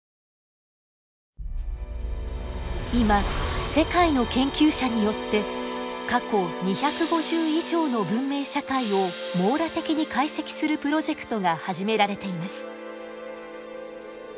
今世界の研究者によって過去２５０以上の文明社会を網羅的に解析するプロジェクトが始められています。